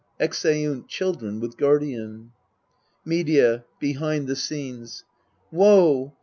{Exeunt CHILDREN with GUARDIAN. Medea (behind the scenes). Woe!